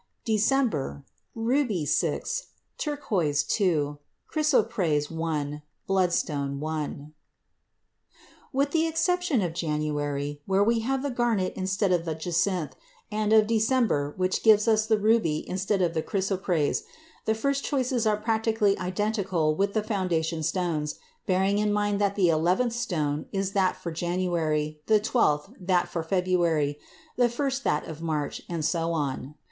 December Ruby 6, turquoise 2, chrysoprase 1, bloodstone 1. With the exception of January, where we have the garnet instead of the jacinth, and of December, which gives us the ruby instead of the chrysoprase, the first choices are practically identical with the foundation stones, bearing in mind that the eleventh stone is that for January, the twelfth that for February, the first that for March and so on.